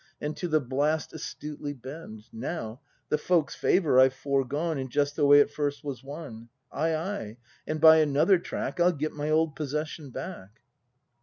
And to the blast astutely bend. Now, — the folks' favour I've foregone In just the way it first was won; Ay, ay, — and by another track I'll get my old possession back.